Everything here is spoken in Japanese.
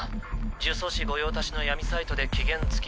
呪詛師御用達の闇サイトで期限付き。